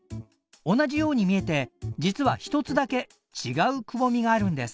同じように見えて実は一つだけ違うくぼみがあるんです。